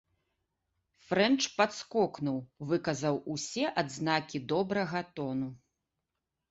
Фрэнч падскокнуў, выказаў усе адзнакі добрага тону.